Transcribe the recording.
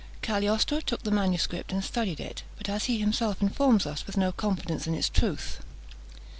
Cagliostro took the manuscript and studied it, but, as he himself informs us, with no confidence in its truth.